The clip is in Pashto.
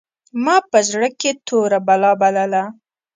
ما په زړه کښې توره بلا بلله.